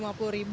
nah kayak gitu